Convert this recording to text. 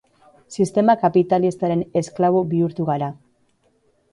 Sistema kapitalistaren esklabo bihurtu gara.